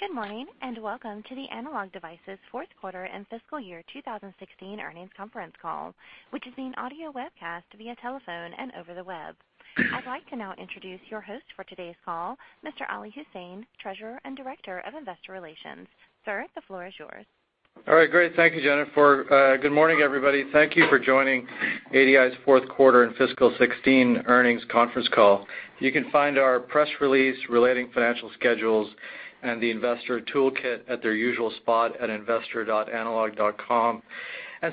Good morning, and welcome to the Analog Devices fourth quarter and fiscal year 2016 earnings conference call, which is being audio webcast via telephone and over the web. I'd like to now introduce your host for today's call, Mr. Ali Husain, Treasurer and Director of Investor Relations. Sir, the floor is yours. All right, great. Thank you, Jennifer. Good morning, everybody. Thank you for joining ADI's fourth quarter and fiscal 2016 earnings conference call. You can find our press release relating financial schedules and the investor toolkit at their usual spot at investor.analog.com.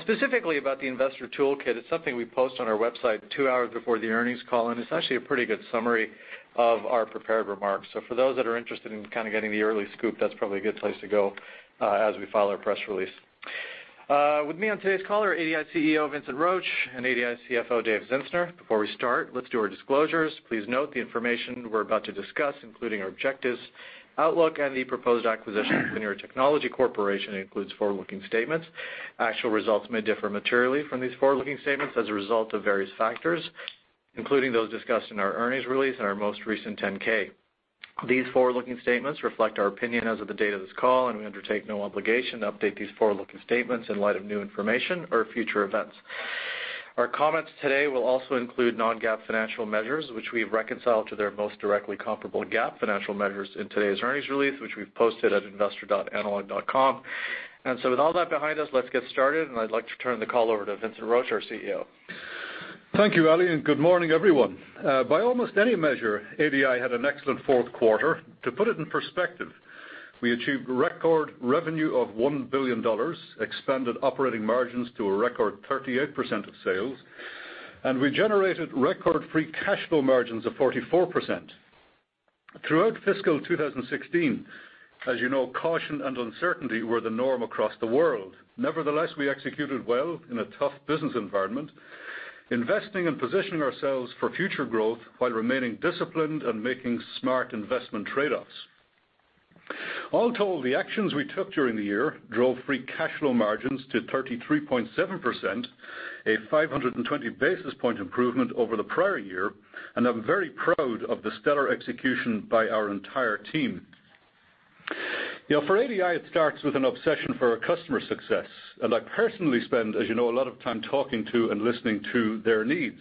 Specifically about the investor toolkit, it's something we post on our website 2 hours before the earnings call, and it's actually a pretty good summary of our prepared remarks. For those that are interested in kind of getting the early scoop, that's probably a good place to go as we file our press release. With me on today's call are ADI CEO, Vincent Roche, and ADI CFO, Dave Zinsner. Before we start, let's do our disclosures. Please note the information we're about to discuss, including our objectives, outlook and the proposed acquisition of Linear Technology Corporation, includes forward-looking statements. Actual results may differ materially from these forward-looking statements as a result of various factors, including those discussed in our earnings release and our most recent 10-K. These forward-looking statements reflect our opinion as of the date of this call, and we undertake no obligation to update these forward-looking statements in light of new information or future events. Our comments today will also include non-GAAP financial measures, which we've reconciled to their most directly comparable GAAP financial measures in today's earnings release, which we've posted at investor.analog.com. With all that behind us, let's get started, and I'd like to turn the call over to Vincent Roche, our CEO. Thank you, Ali, and good morning, everyone. By almost any measure, ADI had an excellent fourth quarter. To put it in perspective, we achieved record revenue of $1 billion, expanded operating margins to a record 38% of sales, and we generated record free cash flow margins of 44%. Throughout fiscal 2016, as you know, caution and uncertainty were the norm across the world. Nevertheless, we executed well in a tough business environment, investing and positioning ourselves for future growth while remaining disciplined and making smart investment trade-offs. All told, the actions we took during the year drove free cash flow margins to 33.7%, a 520 basis point improvement over the prior year, and I'm very proud of the stellar execution by our entire team. For ADI, it starts with an obsession for our customers' success. I personally spend, as you know, a lot of time talking to and listening to their needs.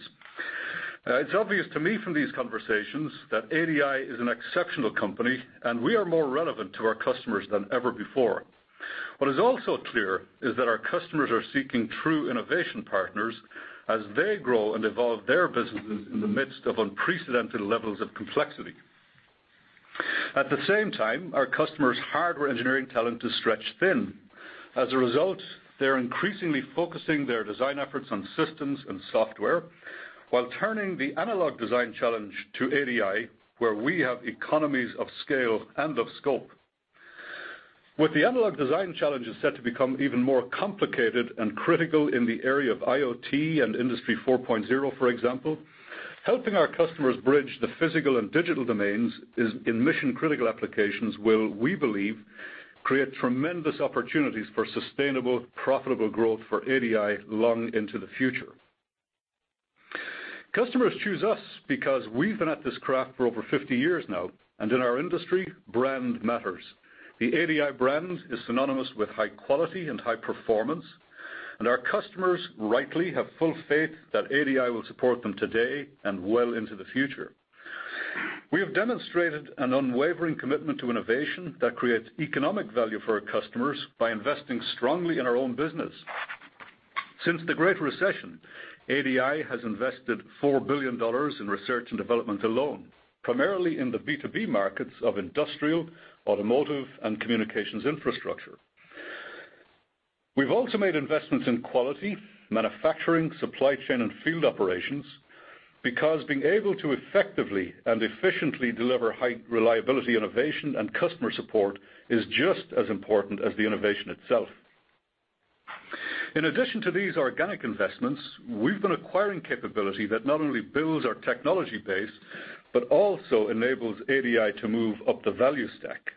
It's obvious to me from these conversations that ADI is an exceptional company, and we are more relevant to our customers than ever before. What is also clear is that our customers are seeking true innovation partners as they grow and evolve their businesses in the midst of unprecedented levels of complexity. At the same time, our customers' hardware engineering talent is stretched thin. As a result, they're increasingly focusing their design efforts on systems and software, while turning the analog design challenge to ADI, where we have economies of scale and of scope. With the analog design challenges set to become even more complicated and critical in the area of IoT and Industry 4.0, for example, helping our customers bridge the physical and digital domains in mission-critical applications will, we believe, create tremendous opportunities for sustainable, profitable growth for ADI long into the future. Customers choose us because we've been at this craft for over 50 years now, and in our industry, brand matters. The ADI brand is synonymous with high quality and high performance, and our customers rightly have full faith that ADI will support them today and well into the future. We have demonstrated an unwavering commitment to innovation that creates economic value for our customers by investing strongly in our own business. Since the Great Recession, ADI has invested $4 billion in research and development alone, primarily in the B2B markets of industrial, automotive, and communications infrastructure. We've also made investments in quality, manufacturing, supply chain, and field operations, because being able to effectively and efficiently deliver high reliability innovation and customer support is just as important as the innovation itself. In addition to these organic investments, we've been acquiring capability that not only builds our technology base, but also enables ADI to move up the value stack.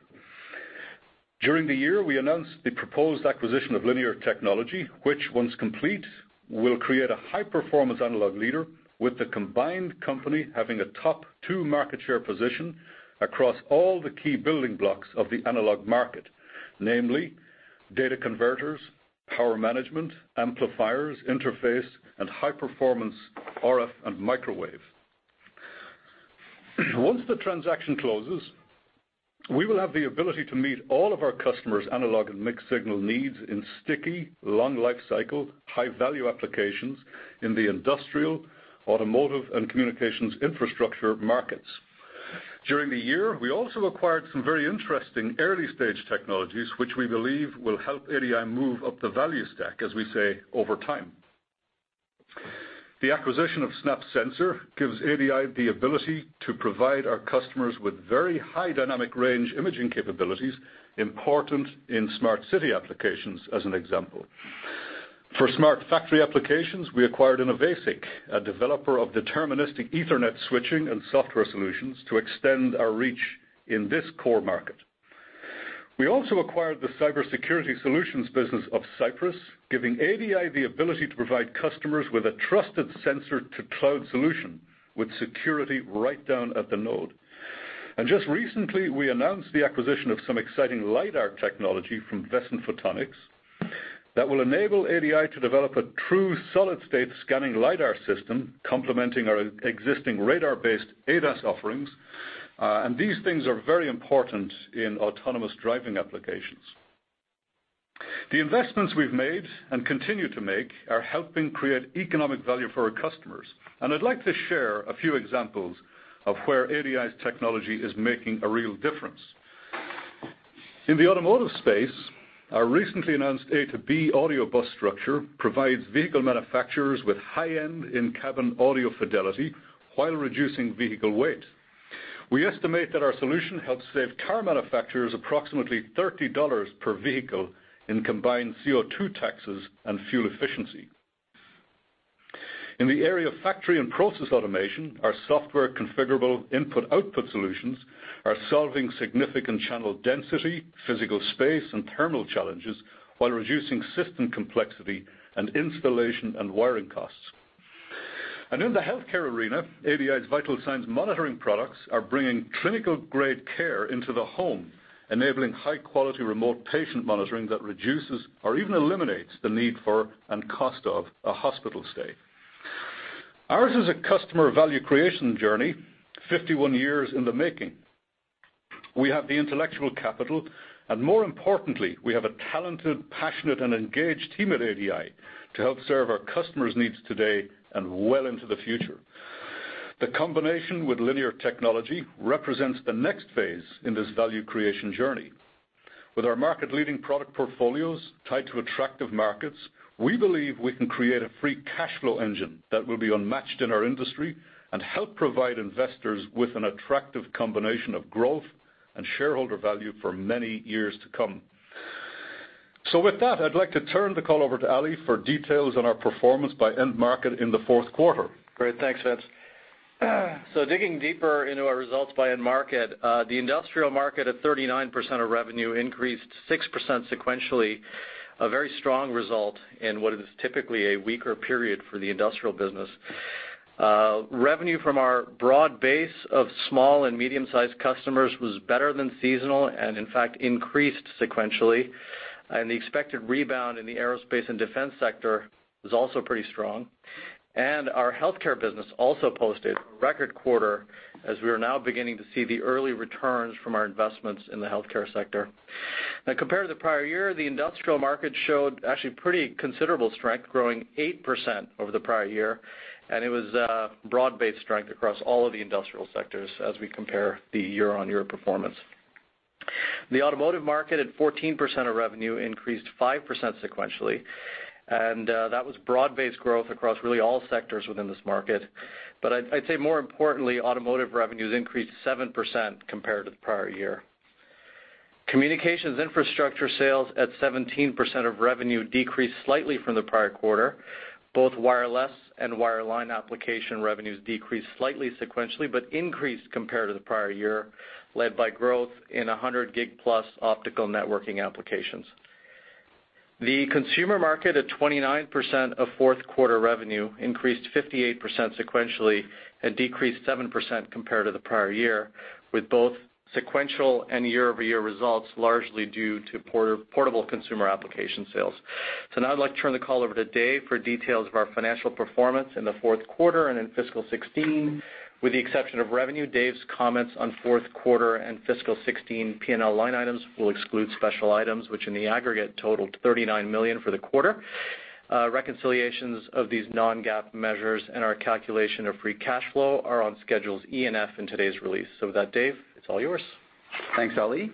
During the year, we announced the proposed acquisition of Linear Technology, which, once complete, will create a high-performance analog leader with the combined company having a top two market share position across all the key building blocks of the analog market, namely data converters, power management, amplifiers, interface, and high-performance RF and microwave. Once the transaction closes, we will have the ability to meet all of our customers' analog and mixed-signal needs in sticky, long lifecycle, high-value applications in the industrial, automotive, and communications infrastructure markets. During the year, we also acquired some very interesting early-stage technologies, which we believe will help ADI move up the value stack, as we say, over time. The acquisition of SNAP Sensor gives ADI the ability to provide our customers with very high dynamic range imaging capabilities, important in smart city applications, as an example. For smart factory applications, we acquired Innovasic, a developer of deterministic Ethernet switching and software solutions, to extend our reach in this core market. We also acquired the cybersecurity solutions business of Sypris, giving ADI the ability to provide customers with a trusted sensor-to-cloud solution with security right down at the node. Just recently, we announced the acquisition of some exciting LIDAR technology from Vescent Photonics. That will enable ADI to develop a true solid-state scanning LIDAR system complementing our existing radar-based ADAS offerings. These things are very important in autonomous driving applications. The investments we've made and continue to make are helping create economic value for our customers. I'd like to share a few examples of where ADI's technology is making a real difference. In the automotive space, our recently announced A2B audio bus structure provides vehicle manufacturers with high-end in-cabin audio fidelity while reducing vehicle weight. We estimate that our solution helps save car manufacturers approximately $30 per vehicle in combined CO2 taxes and fuel efficiency. In the area of factory and process automation, our software configurable input/output solutions are solving significant channel density, physical space, and terminal challenges while reducing system complexity and installation and wiring costs. In the healthcare arena, ADI's vital signs monitoring products are bringing clinical-grade care into the home, enabling high-quality remote patient monitoring that reduces or even eliminates the need for, and cost of, a hospital stay. Ours is a customer value creation journey 51 years in the making. We have the intellectual capital, and more importantly, we have a talented, passionate, and engaged team at ADI to help serve our customers' needs today and well into the future. The combination with Linear Technology represents the next phase in this value creation journey. With our market-leading product portfolios tied to attractive markets, we believe we can create a free cash flow engine that will be unmatched in our industry and help provide investors with an attractive combination of growth and shareholder value for many years to come. With that, I'd like to turn the call over to Ali for details on our performance by end market in the fourth quarter. Great. Thanks, Vince. Digging deeper into our results by end market, the industrial market at 39% of revenue increased 6% sequentially, a very strong result in what is typically a weaker period for the industrial business. Revenue from our broad base of small and medium-sized customers was better than seasonal and in fact increased sequentially. The expected rebound in the aerospace and defense sector was also pretty strong. Our healthcare business also posted a record quarter as we are now beginning to see the early returns from our investments in the healthcare sector. Compared to the prior year, the industrial market showed actually pretty considerable strength, growing 8% over the prior year, and it was broad-based strength across all of the industrial sectors as we compare the year-over-year performance. The automotive market at 14% of revenue increased 5% sequentially. That was broad-based growth across really all sectors within this market. I'd say more importantly, automotive revenues increased 7% compared to the prior year. Communications infrastructure sales at 17% of revenue decreased slightly from the prior quarter. Both wireless and wireline application revenues decreased slightly sequentially but increased compared to the prior year, led by growth in 100G-plus optical networking applications. The consumer market at 29% of fourth quarter revenue increased 58% sequentially and decreased 7% compared to the prior year, with both sequential and year-over-year results largely due to portable consumer application sales. Now I'd like to turn the call over to Dave for details of our financial performance in the fourth quarter and in fiscal 2016. With the exception of revenue, Dave's comments on fourth quarter and fiscal 2016 P&L line items will exclude special items, which in the aggregate totaled $39 million for the quarter. Reconciliations of these non-GAAP measures and our calculation of free cash flow are on schedules E and F in today's release. With that, Dave, it's all yours. Thanks, Ali.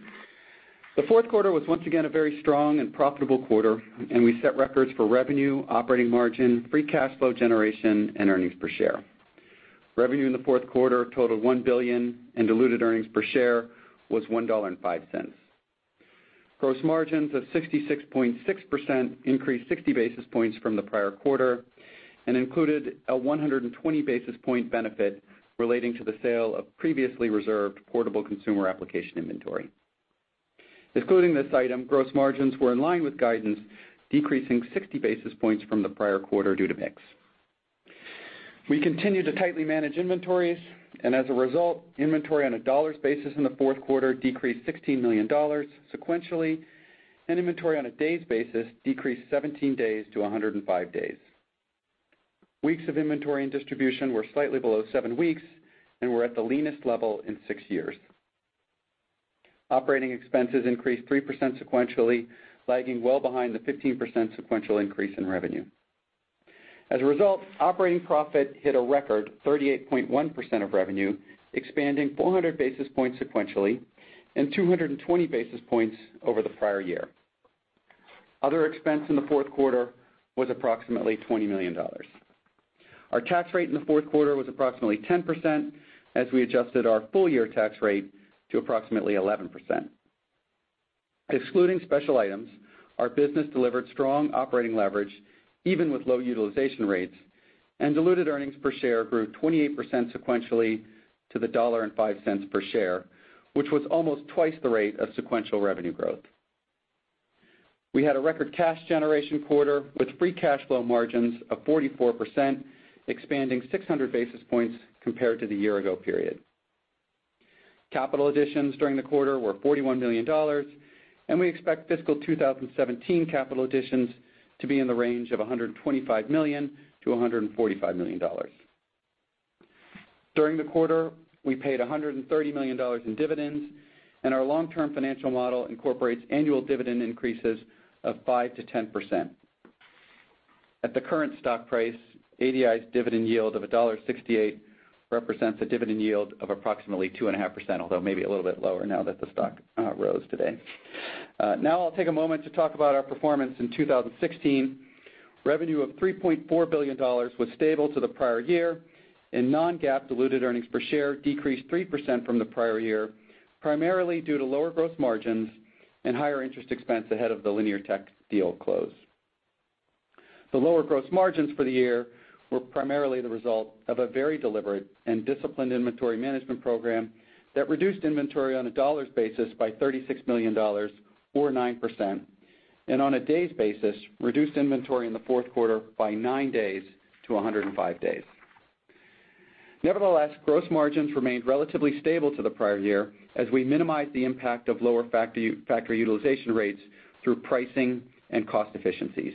The fourth quarter was once again a very strong and profitable quarter, and we set records for revenue, operating margin, free cash flow generation, and earnings per share. Revenue in the fourth quarter totaled $1 billion, and diluted earnings per share was $1.05. Gross margins of 66.6% increased 60 basis points from the prior quarter and included a 120 basis point benefit relating to the sale of previously reserved portable consumer application inventory. Excluding this item, gross margins were in line with guidance, decreasing 60 basis points from the prior quarter due to mix. We continued to tightly manage inventories, and as a result, inventory on a dollars basis in the fourth quarter decreased $16 million sequentially, and inventory on a days basis decreased 17 days to 105 days. Weeks of inventory and distribution were slightly below seven weeks and were at the leanest level in six years. Operating expenses increased 3% sequentially, lagging well behind the 15% sequential increase in revenue. As a result, operating profit hit a record 38.1% of revenue, expanding 400 basis points sequentially and 220 basis points over the prior year. Other expense in the fourth quarter was approximately $20 million. Our tax rate in the fourth quarter was approximately 10% as we adjusted our full-year tax rate to approximately 11%. Excluding special items, our business delivered strong operating leverage even with low utilization rates, and diluted earnings per share grew 28% sequentially to the $1.05 per share, which was almost twice the rate of sequential revenue growth. We had a record cash generation quarter with free cash flow margins of 44%, expanding 600 basis points compared to the year-ago period. Capital additions during the quarter were $41 million, and we expect fiscal 2017 capital additions to be in the range of $125 million-$145 million. During the quarter, we paid $130 million in dividends, and our long-term financial model incorporates annual dividend increases of 5%-10%. At the current stock price, ADI's dividend yield of $1.68 represents a dividend yield of approximately 2.5%, although maybe a little bit lower now that the stock rose today. I'll take a moment to talk about our performance in 2016. Revenue of $3.4 billion was stable to the prior year, and non-GAAP diluted earnings per share decreased 3% from the prior year, primarily due to lower gross margins and higher interest expense ahead of the Linear Tech deal close. The lower gross margins for the year were primarily the result of a very deliberate and disciplined inventory management program that reduced inventory on a dollars basis by $36 million, or 9%, and on a days basis, reduced inventory in the fourth quarter by nine days to 105 days. Nevertheless, gross margins remained relatively stable to the prior year as we minimized the impact of lower factory utilization rates through pricing and cost efficiencies.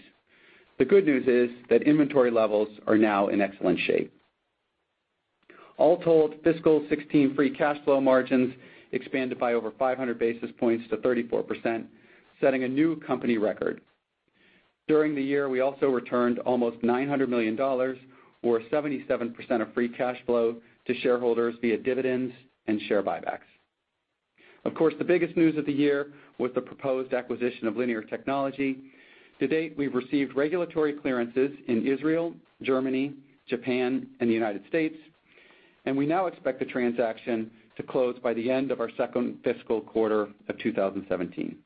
The good news is that inventory levels are now in excellent shape. All told, fiscal 2016 free cash flow margins expanded by over 500 basis points to 34%, setting a new company record. During the year, we also returned almost $900 million, or 77% of free cash flow to shareholders via dividends and share buybacks. The biggest news of the year was the proposed acquisition of Linear Technology. To date, we've received regulatory clearances in Israel, Germany, Japan, and the United States, and we now expect the transaction to close by the end of our second fiscal quarter of 2017.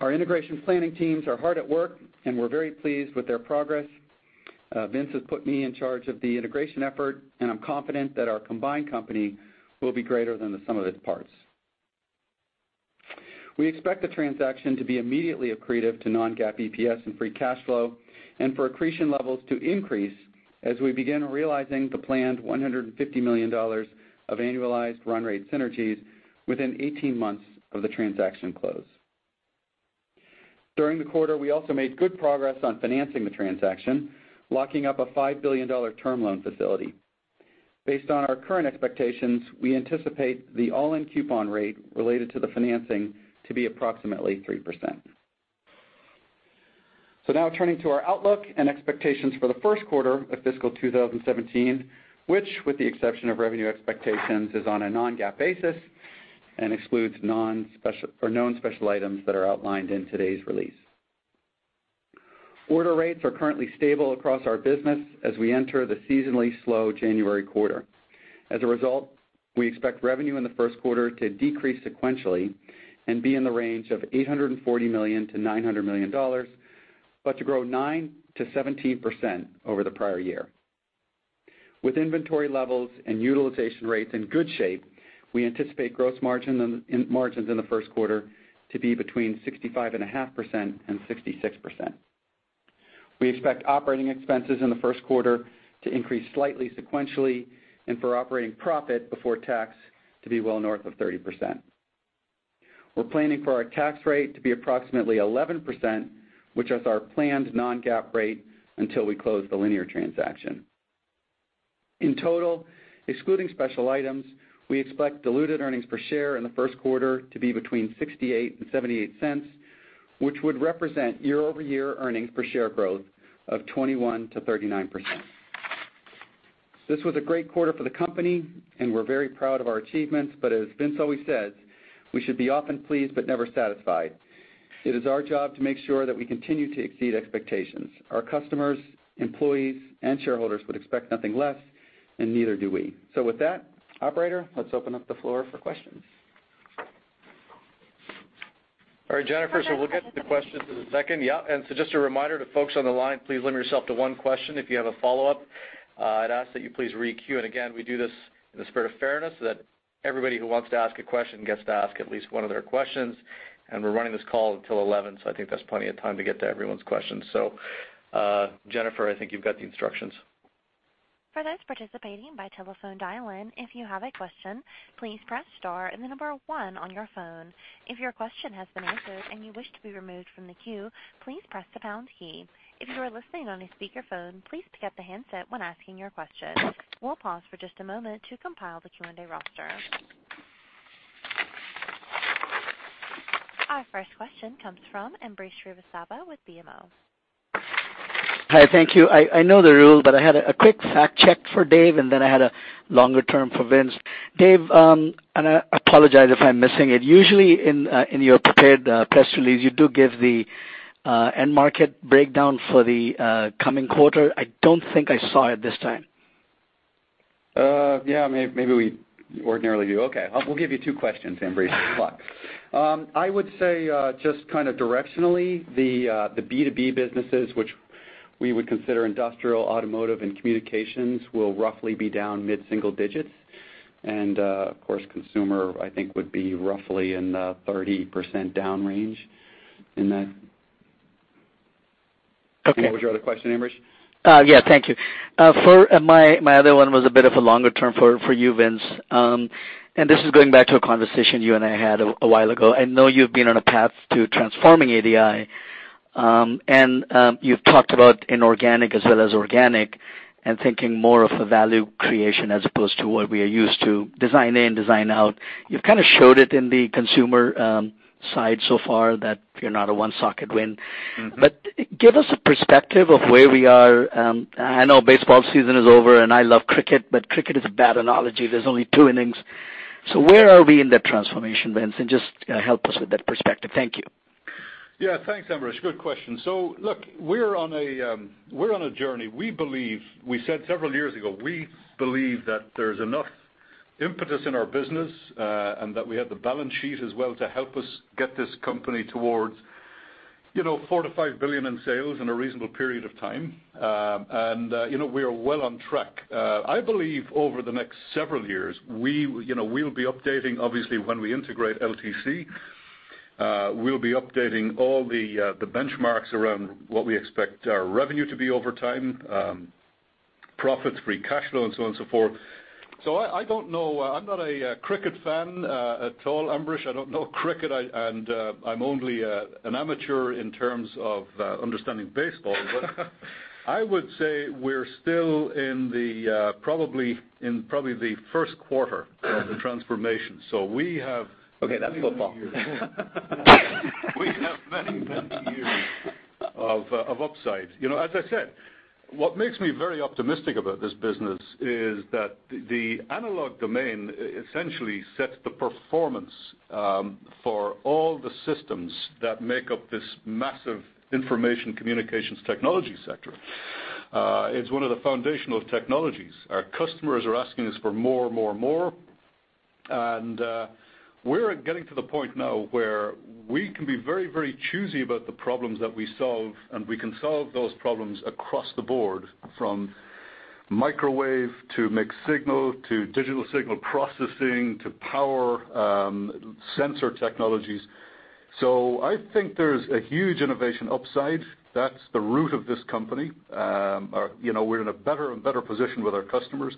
Our integration planning teams are hard at work, and we're very pleased with their progress. Vince has put me in charge of the integration effort, and I'm confident that our combined company will be greater than the sum of its parts. We expect the transaction to be immediately accretive to non-GAAP EPS and free cash flow, and for accretion levels to increase as we begin realizing the planned $150 million of annualized run rate synergies within 18 months of the transaction close. During the quarter, we also made good progress on financing the transaction, locking up a $5 billion term loan facility. Now turning to our outlook and expectations for the first quarter of fiscal 2017, which, with the exception of revenue expectations, is on a non-GAAP basis and excludes known special items that are outlined in today's release. Order rates are currently stable across our business as we enter the seasonally slow January quarter. As a result, we expect revenue in the first quarter to decrease sequentially and be in the range of $840 million to $900 million, but to grow 9% to 17% over the prior year. With inventory levels and utilization rates in good shape, we anticipate gross margins in the first quarter to be between 65.5% and 66%. We expect operating expenses in the first quarter to increase slightly sequentially and for operating profit before tax to be well north of 30%. We're planning for our tax rate to be approximately 11%, which is our planned non-GAAP rate until we close the Linear transaction. In total, excluding special items, we expect diluted earnings per share in the first quarter to be between $0.68 and $0.78, which would represent year-over-year earnings per share growth of 21% to 39%. This was a great quarter for the company, and we're very proud of our achievements, but as Vince always says, we should be often pleased but never satisfied. It is our job to make sure that we continue to exceed expectations. Our customers, employees, and shareholders would expect nothing less, and neither do we. With that, operator, let's open up the floor for questions. All right, Jennifer. We'll get to questions in a second. Yeah. Just a reminder to folks on the line, please limit yourself to one question. If you have a follow-up, I'd ask that you please re-queue it. Again, we do this in the spirit of fairness so that everybody who wants to ask a question gets to ask at least one of their questions. We're running this call until 11, so I think that's plenty of time to get to everyone's questions. Jennifer, I think you've got the instructions. For those participating by telephone dial-in, if you have a question, please press star and the number 1 on your phone. If your question has been answered and you wish to be removed from the queue, please press the pound key. If you are listening on a speakerphone, please pick up the handset when asking your question. We'll pause for just a moment to compile the Q&A roster. Our first question comes from Ambrish Srivastava with BMO. Hi. Thank you. I know the rule, I had a quick fact-check for Dave, and then I had a longer term for Vince. Dave, I apologize if I'm missing it, usually in your prepared press release, you do give the end market breakdown for the coming quarter. I don't think I saw it this time. Yeah. Maybe we ordinarily do. Okay. We'll give you two questions, Ambrish. Good luck. I would say just kind of directionally, the B2B businesses, which we would consider industrial, automotive, and communications, will roughly be down mid-single digits. Of course, consumer, I think, would be roughly in the 30% down range in that- Okay. What was your other question, Ambrish? Yeah. Thank you. My other one was a bit of a longer term for you, Vince. This is going back to a conversation you and I had a while ago. I know you've been on a path to transforming ADI, and you've talked about inorganic as well as organic and thinking more of a value creation as opposed to what we are used to, design in, design out. You've kind of showed it in the consumer side so far that you're not a one-socket win. Give us a perspective of where we are. I know baseball season is over and I love cricket, but cricket is a bad analogy. There's only two innings. Where are we in that transformation, Vince? Just help us with that perspective. Thank you. Yeah. Thanks, Ambrish. Good question. Look, we're on a journey. We said several years ago, we believe that there's enough impetus in our business, and that we have the balance sheet as well to help us get this company towards $4 billion-$5 billion in sales in a reasonable period of time. We are well on track. I believe over the next several years, we'll be updating, obviously when we integrate LTC, we'll be updating all the benchmarks around what we expect our revenue to be over time, profits, free cash flow, and so on and so forth. I don't know. I'm not a cricket fan at all, Ambrish. I don't know cricket, and I'm only an amateur in terms of understanding baseball. I would say we're still in probably the first quarter of the transformation. We have. Okay, that's football. We have many, many years of upside. As I said, what makes me very optimistic about this business is that the analog domain essentially sets the performance for all the systems that make up this massive information communications technology sector. It's one of the foundational technologies. Our customers are asking us for more, more, more. We're getting to the point now where we can be very choosy about the problems that we solve, and we can solve those problems across the board, from microwave to mixed signal, to digital signal processing, to power sensor technologies. I think there's a huge innovation upside. That's the root of this company. We're in a better and better position with our customers.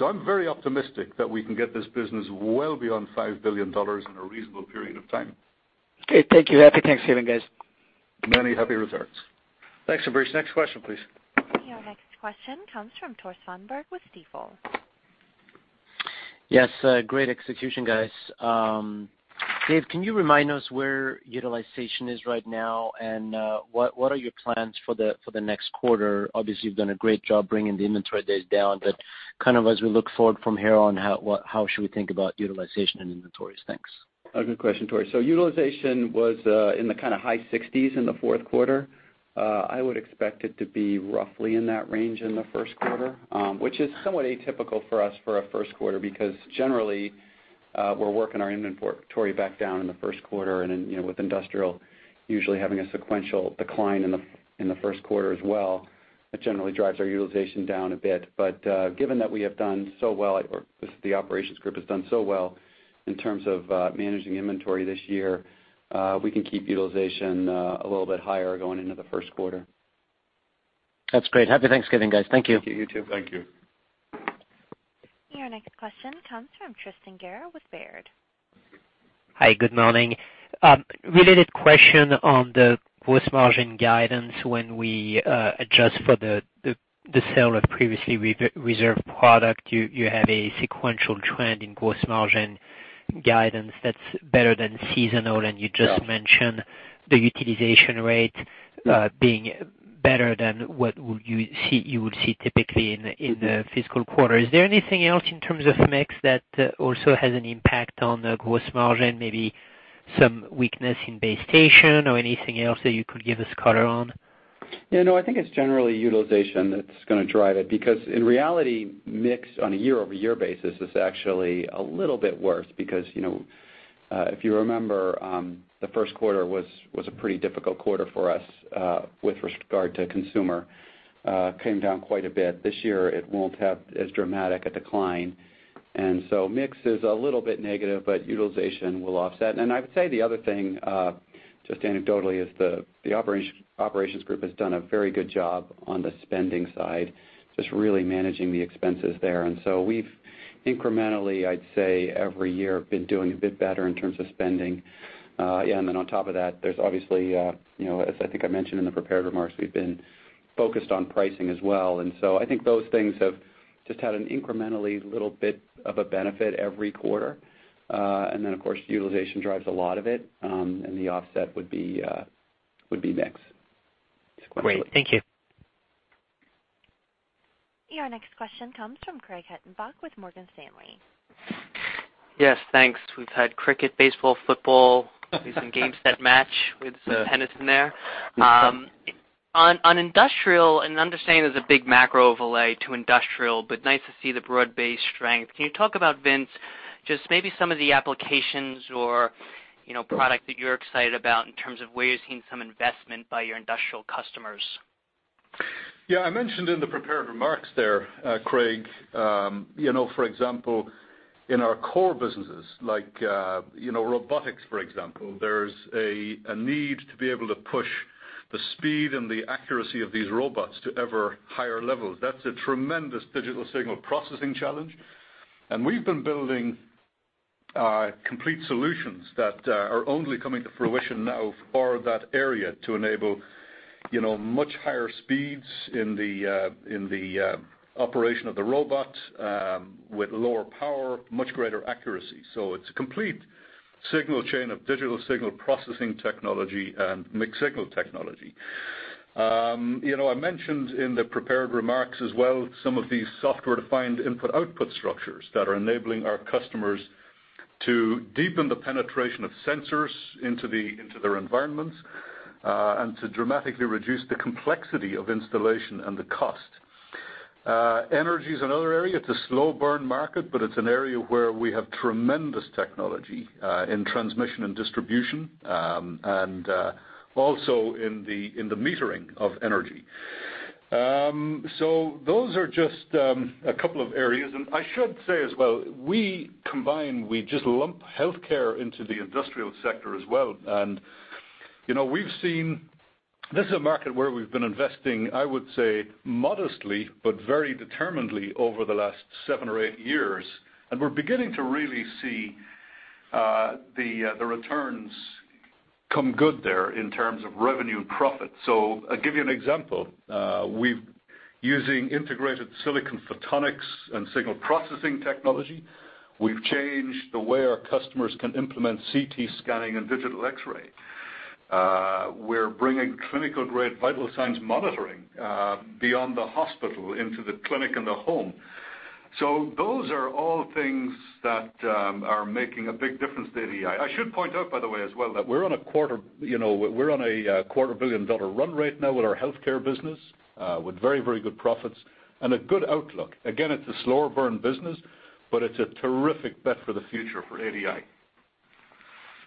I'm very optimistic that we can get this business well beyond $5 billion in a reasonable period of time. Okay. Thank you. Happy Thanksgiving, guys. Many happy returns. Thanks, Ambrish. Next question, please. Your next question comes from Tore Svanberg with Stifel. Yes. Great execution, guys. Dave, can you remind us where utilization is right now, and what are your plans for the next quarter? Obviously, you've done a great job bringing the inventory days down, kind of as we look forward from here on, how should we think about utilization and inventories? Thanks. A good question, Tore. Utilization was in the kind of high 60s in the fourth quarter. I would expect it to be roughly in that range in the first quarter, which is somewhat atypical for us for a first quarter, because generally, we're working our inventory back down in the first quarter with industrial usually having a sequential decline in the first quarter as well. That generally drives our utilization down a bit. Given that we have done so well, or the operations group has done so well in terms of managing inventory this year, we can keep utilization a little bit higher going into the first quarter. That's great. Happy Thanksgiving, guys. Thank you. Thank you. You, too. Thank you. Your next question comes from Tristan Gerra with Baird. Hi, good morning. Related question on the gross margin guidance. When we adjust for the sale of previously reserved product, you have a sequential trend in gross margin guidance that's better than seasonal, and you just mentioned the utilization rate being better than what you would see typically in the fiscal quarter. Is there anything else in terms of mix that also has an impact on the gross margin, maybe some weakness in base station or anything else that you could give us color on? I think it's generally utilization that's going to drive it, because in reality, mix on a year-over-year basis is actually a little bit worse because if you remember, the first quarter was a pretty difficult quarter for us with regard to consumer. Came down quite a bit. This year, it won't have as dramatic a decline. Mix is a little bit negative, but utilization will offset. I would say the other thing, just anecdotally, is the operations group has done a very good job on the spending side, just really managing the expenses there. We've incrementally, I'd say every year, been doing a bit better in terms of spending. On top of that, there's obviously, as I think I mentioned in the prepared remarks, we've been focused on pricing as well. I think those things have just had an incrementally little bit of a benefit every quarter. Of course, utilization drives a lot of it, and the offset would be mix sequentially. Great. Thank you. Your next question comes from Craig Hettenbach with Morgan Stanley. Yes, thanks. We've had cricket, baseball, football. We've seen games that match with tennis in there. On industrial, understanding there's a big macro overlay to industrial, but nice to see the broad-based strength. Can you talk about, Vince, just maybe some of the applications or product that you're excited about in terms of where you're seeing some investment by your industrial customers? Yeah, I mentioned in the prepared remarks there, Craig, for example, in our core businesses like robotics, for example, there's a need to be able to push the speed and the accuracy of these robots to ever higher levels. That's a tremendous digital signal processing challenge. We've been building complete solutions that are only coming to fruition now for that area to enable much higher speeds in the operation of the robot with lower power, much greater accuracy. It's a complete signal chain of digital signal processing technology and mixed signal technology. I mentioned in the prepared remarks as well some of these software configurable input/output structures that are enabling our customers to deepen the penetration of sensors into their environments, and to dramatically reduce the complexity of installation and the cost. Energy is another area. It's a slow-burn market, but it's an area where we have tremendous technology in transmission and distribution, and also in the metering of energy. Those are just a couple of areas. I should say as well, we combine, we just lump healthcare into the industrial sector as well. This is a market where we've been investing, I would say modestly, but very determinedly over the last seven or eight years. We're beginning to really see the returns come good there in terms of revenue and profit. I'll give you an example. Using integrated silicon photonics and signal processing technology, we've changed the way our customers can implement CT scanning and digital X-ray. We're bringing clinical-grade vital signs monitoring beyond the hospital into the clinic and the home. Those are all things that are making a big difference to ADI. I should point out, by the way, as well, that we're on a quarter billion dollar run right now with our healthcare business, with very good profits and a good outlook. Again, it's a slower burn business, but it's a terrific bet for the future for ADI.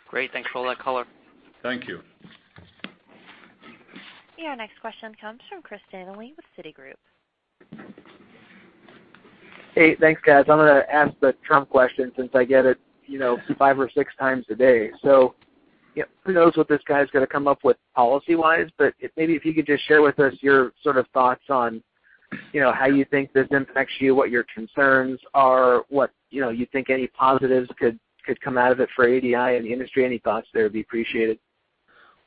Great. Thanks for all that color. Thank you. Your next question comes from Chris Danely with Citigroup. Hey, thanks, guys. I'm going to ask the Trump question since I get it five or six times a day. Who knows what this guy's going to come up with policy-wise, but maybe if you could just share with us your sort of thoughts on how you think this impacts you, what your concerns are, what you think any positives could come out of it for ADI and the industry. Any thoughts there would be appreciated.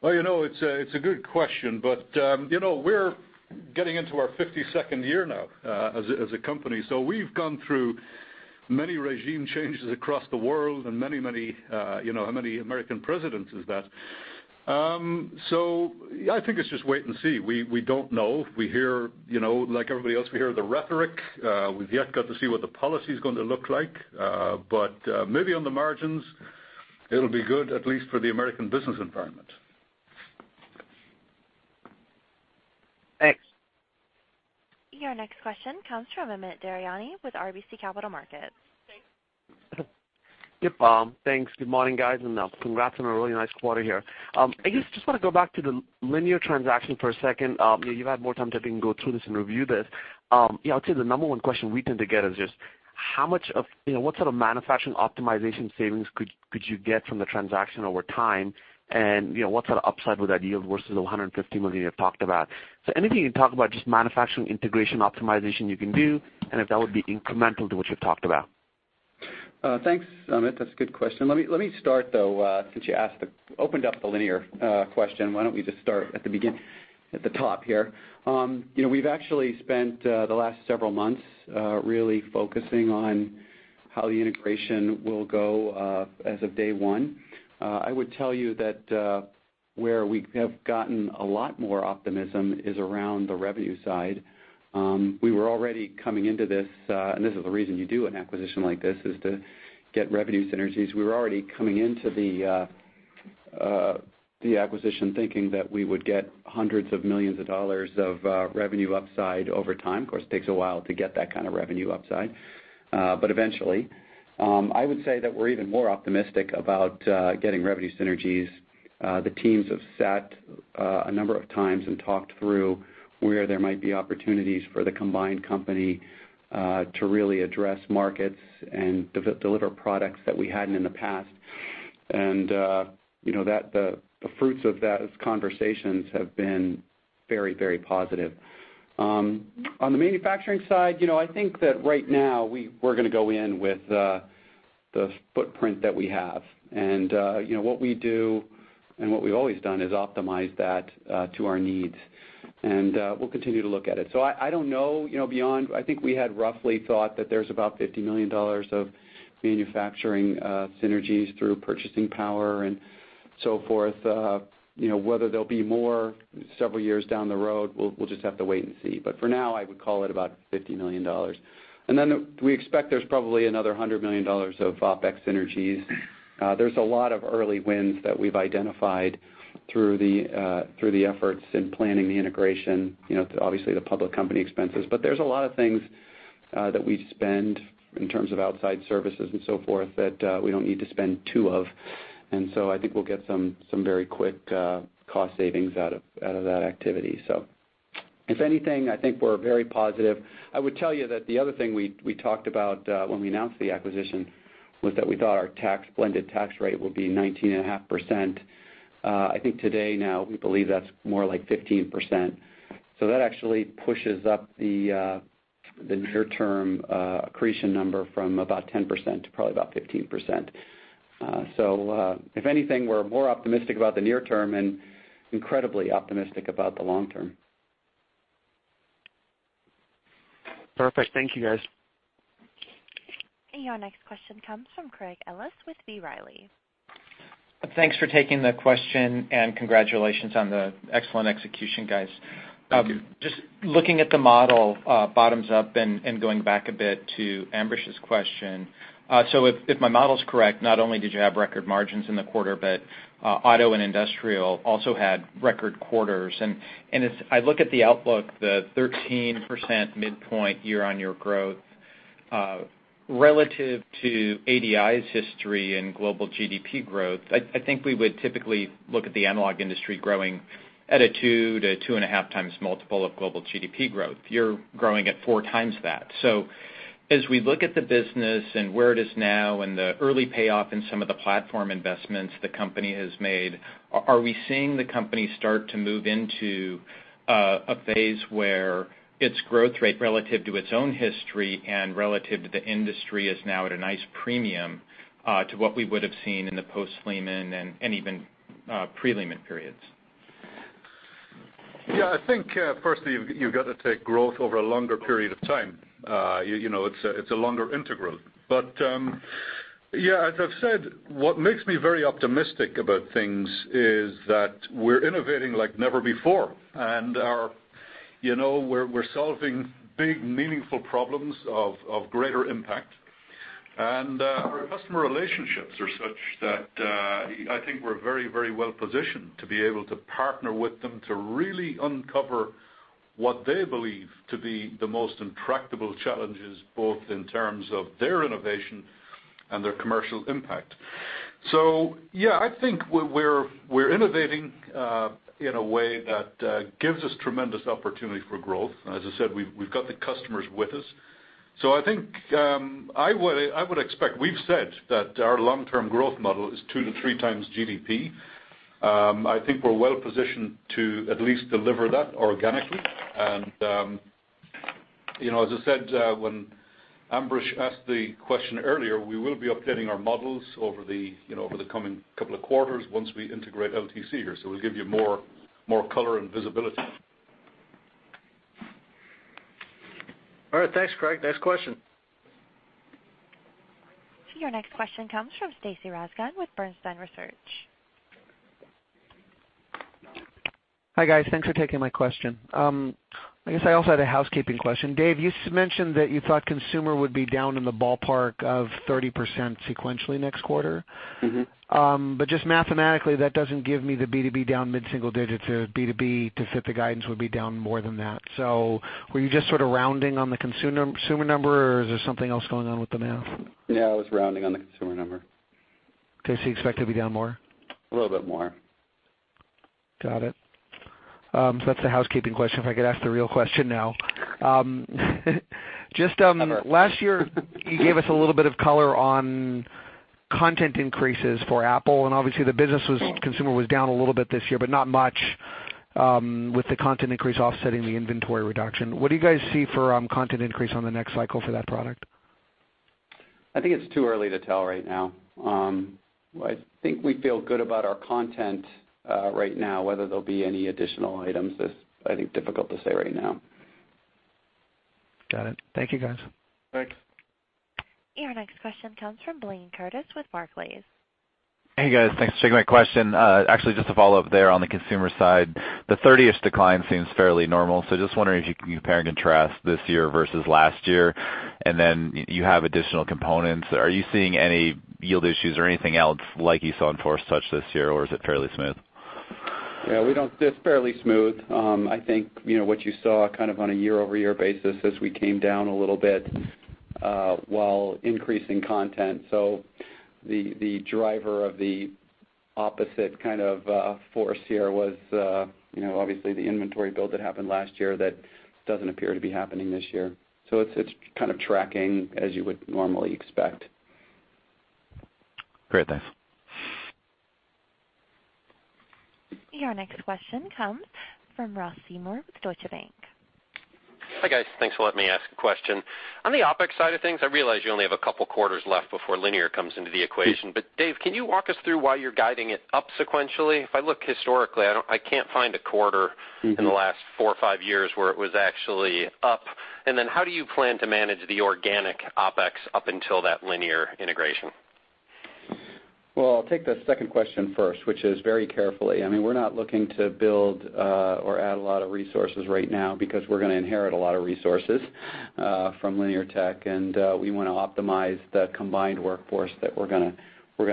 It's a good question. We're getting into our 52nd year now as a company. We've gone through many regime changes across the world and how many American presidents is that? I think it's just wait and see. We don't know. Like everybody else, we hear the rhetoric. We've yet got to see what the policy's going to look like. Maybe on the margins, it'll be good, at least for the American business environment. Thanks. Your next question comes from Amit Daryanani with RBC Capital Markets. Yep. Thanks. Good morning, guys, and congrats on a really nice quarter here. Thank you. I just want to go back to the Linear transaction for a second. You've had more time to go through this and review this. I'll tell you the number one question we tend to get is just what sort of manufacturing optimization savings could you get from the transaction over time, and what sort of upside would that yield versus the $150 million you've talked about? Anything you can talk about, just manufacturing integration optimization you can do, and if that would be incremental to what you've talked about. Thanks, Amit. That's a good question. Let me start, though, since you opened up the Linear question, why don't we just start at the top here? We've actually spent the last several months really focusing on how the integration will go as of day one. I would tell you that where we have gotten a lot more optimism is around the revenue side. We were already coming into this, and this is the reason you do an acquisition like this, is to get revenue synergies. We were already coming into the acquisition thinking that we would get hundreds of millions of dollars of revenue upside over time. Of course, it takes a while to get that kind of revenue upside, but eventually. I would say that we're even more optimistic about getting revenue synergies. The teams have sat a number of times and talked through where there might be opportunities for the combined company to really address markets and deliver products that we hadn't in the past. The fruits of those conversations have been very positive. On the manufacturing side, I think that right now we're going to go in with the footprint that we have. What we do and what we've always done is optimize that to our needs, and we'll continue to look at it. I don't know beyond, I think we had roughly thought that there's about $50 million of manufacturing synergies through purchasing power and so forth. Whether there'll be more several years down the road, we'll just have to wait and see. For now, I would call it about $50 million. Then we expect there's probably another $100 million of OpEx synergies. There's a lot of early wins that we've identified through the efforts in planning the integration, obviously the public company expenses. that we spend in terms of outside services and so forth that we don't need to spend two of. I think we'll get some very quick cost savings out of that activity. If anything, I think we're very positive. I would tell you that the other thing we talked about when we announced the acquisition was that we thought our blended tax rate would be 19.5%. I think today now we believe that's more like 15%. That actually pushes up the near-term accretion number from about 10% to probably about 15%. If anything, we're more optimistic about the near term and incredibly optimistic about the long term. Perfect. Thank you, guys. Your next question comes from Craig Ellis with B. Riley. Thanks for taking the question, congratulations on the excellent execution, guys. Thank you. Just looking at the model bottoms up and going back a bit to Ambrish's question. If my model is correct, not only did you have record margins in the quarter, but auto and industrial also had record quarters. As I look at the outlook, the 13% midpoint year-on-year growth relative to ADI's history and global GDP growth, I think we would typically look at the analog industry growing at a two to two and a half times multiple of global GDP growth. You're growing at four times that. As we look at the business and where it is now and the early payoff in some of the platform investments the company has made, are we seeing the company start to move into a phase where its growth rate relative to its own history and relative to the industry is now at a nice premium to what we would have seen in the post-Lehman and even pre-Lehman periods? Yeah, I think firstly, you've got to take growth over a longer period of time. It's a longer integral. As I've said, what makes me very optimistic about things is that we're innovating like never before, and we're solving big, meaningful problems of greater impact. Our customer relationships are such that I think we're very well positioned to be able to partner with them to really uncover what they believe to be the most intractable challenges, both in terms of their innovation and their commercial impact. Yeah, I think we're innovating in a way that gives us tremendous opportunity for growth. As I said, we've got the customers with us. I would expect. We've said that our long-term growth model is two to three times GDP. I think we're well positioned to at least deliver that organically. As I said when Ambrish asked the question earlier, we will be updating our models over the coming couple of quarters once we integrate LTC here. We'll give you more color and visibility. All right. Thanks, Craig. Next question. Your next question comes from Stacy Rasgon with Bernstein Research. Hi, guys. Thanks for taking my question. I guess I also had a housekeeping question. Dave, you mentioned that you thought consumer would be down in the ballpark of 30% sequentially next quarter. Mathematically, that doesn't give me the B2B down mid-single digits or B2B to fit the guidance would be down more than that. Were you just sort of rounding on the consumer number, or is there something else going on with the math? Yeah, I was rounding on the consumer number. Okay. You expect it to be down more? A little bit more. Got it. That's the housekeeping question. If I could ask the real question now. Just last year, you gave us a little bit of color on content increases for Apple, and obviously the business consumer was down a little bit this year, but not much, with the content increase offsetting the inventory reduction. What do you guys see for content increase on the next cycle for that product? I think it's too early to tell right now. I think we feel good about our content right now. Whether there'll be any additional items is, I think, difficult to say right now. Got it. Thank you, guys. Thanks. Your next question comes from Blayne Curtis with Barclays. Hey, guys, thanks for taking my question. Actually, just to follow up there on the consumer side, the 30-ish decline seems fairly normal. Just wondering if you can compare and contrast this year versus last year, and then you have additional components. Are you seeing any yield issues or anything else like you saw in Force Touch this year, or is it fairly smooth? Yeah, it's fairly smooth. I think what you saw kind of on a year-over-year basis is we came down a little bit while increasing content. The driver of the opposite kind of force here was obviously the inventory build that happened last year that doesn't appear to be happening this year. It's kind of tracking as you would normally expect. Great. Thanks. Your next question comes from Ross Seymore with Deutsche Bank. Hi, guys. Thanks for letting me ask a question. On the OpEx side of things, I realize you only have a couple quarters left before Linear comes into the equation. Dave, can you walk us through why you're guiding it up sequentially? If I look historically, I can't find a quarter in the last four or five years where it was actually up. How do you plan to manage the organic OpEx up until that Linear integration? Well, I'll take the second question first, which is very carefully. We're not looking to build or add a lot of resources right now because we're going to inherit a lot of resources from Linear Tech, and we want to optimize the combined workforce that we're going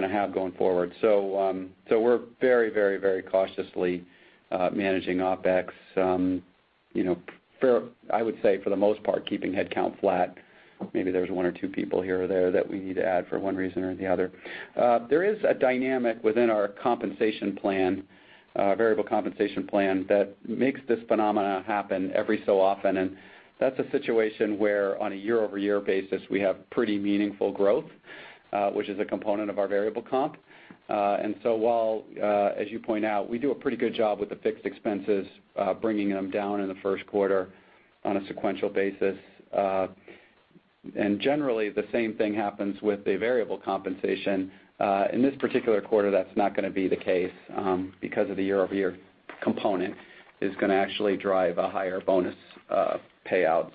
to have going forward. We're very cautiously managing OpEx. I would say for the most part, keeping headcount flat. Maybe there's one or two people here or there that we need to add for one reason or the other. There is a dynamic within our variable compensation plan that makes this phenomena happen every so often, that's a situation where on a year-over-year basis, we have pretty meaningful growth, which is a component of our variable comp. While, as you point out, we do a pretty good job with the fixed expenses, bringing them down in the first quarter on a sequential basis. Generally, the same thing happens with the variable compensation. In this particular quarter, that's not going to be the case because of the year-over-year component is going to actually drive a higher bonus payout.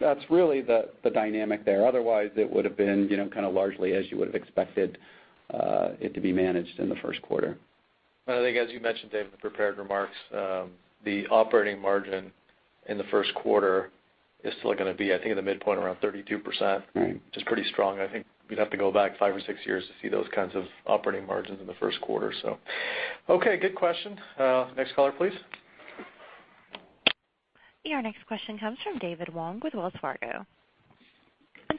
That's really the dynamic there. Otherwise, it would have been largely as you would have expected it to be managed in the first quarter. I think as you mentioned, Dave, in the prepared remarks, the operating margin in the first quarter is still going to be, I think, at the midpoint around 32%- Right which is pretty strong. I think you'd have to go back five or six years to see those kinds of operating margins in the first quarter. Okay. Good question. Next caller, please. Your next question comes from David Wong with Wells Fargo.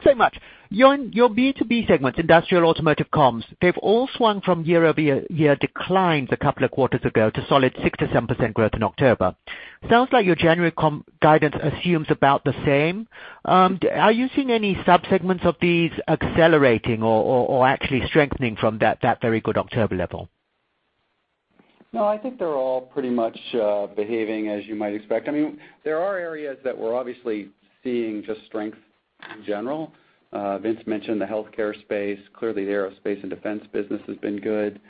Thanks so much. Your B2B segment, Industrial Automotive Comms, they've all swung from year-over-year declines a couple of quarters ago to solid 6%-7% growth in October. Sounds like your January guidance assumes about the same. Are you seeing any sub-segments of these accelerating or actually strengthening from that very good October level? No, I think they're all pretty much behaving as you might expect. There are areas that we're obviously seeing just strength in general. Vince mentioned the healthcare space. Clearly, the aerospace and defense business has been good.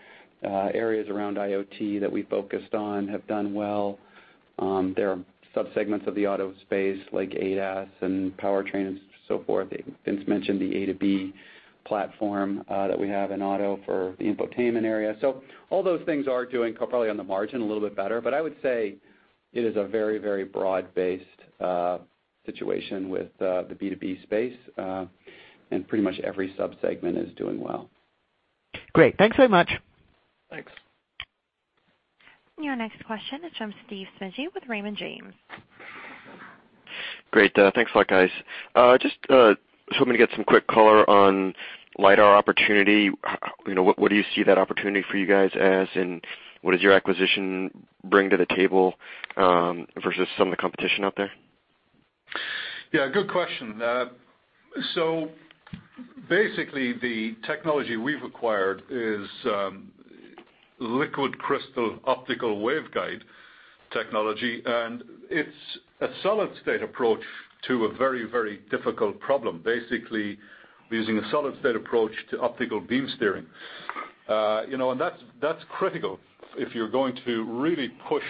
Areas around IoT that we focused on have done well. There are sub-segments of the auto space like ADAS and powertrains, so forth. Vince mentioned the A2B platform that we have in auto for the infotainment area. All those things are doing probably on the margin a little bit better, but I would say it is a very broad-based situation with the B2B space. Pretty much every sub-segment is doing well. Great. Thanks so much. Thanks. Your next question is from Steve Smigie with Raymond James. Great. Thanks a lot, guys. Just wanted to get some quick color on LIDAR opportunity. What do you see that opportunity for you guys as, and what does your acquisition bring to the table, versus some of the competition out there? Yeah, good question. Basically, the technology we've acquired is liquid crystal optical waveguide technology, and it's a solid-state approach to a very difficult problem. Basically, we're using a solid-state approach to optical beam steering. That's critical if you're going to really push